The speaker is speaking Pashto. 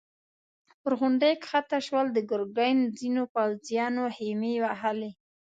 پر غونډۍ کښته شول، د ګرګين ځينو پوځيانو خيمې وهلې.